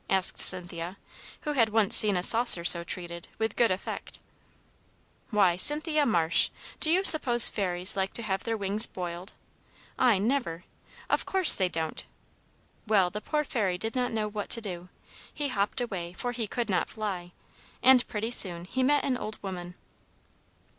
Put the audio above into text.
asked Cynthia, who had once seen a saucer so treated, with good effect. "Why, Cynthia Marsh! Do you suppose Fairies like to have their wings boiled? I never! Of course they don't! Well, the poor Fairy did not know what to do. He hopped away, for he could not fly, and pretty soon he met an old woman.